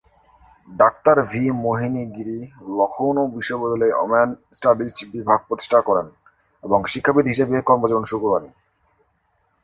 Doctor V Mohini Giri Lucknow বিশ্ববিদ্যালয়ে women studies বিভাগ প্রতিষ্ঠা করেন এবং শিক্ষাবিদ হিসেবে কর্মজীবন শুরু করেন।